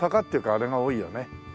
あれが多いよね。